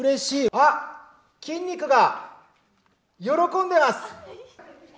あっ、筋肉が喜んでます。